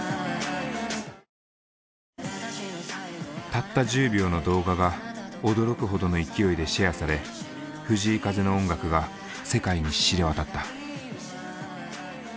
たった１０秒の動画が驚くほどの勢いでシェアされ藤井風の音楽が世界に知れ渡った。